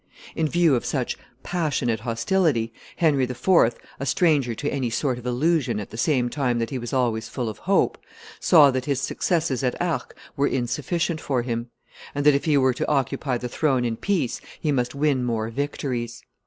In view of such passionate hostility, Henry IV., a stranger to any sort of illusion at the same time that he was always full of hope, saw that his successes at Arques were insufficient for him, and that, if he were to occupy the throne in peace, he must win more victories.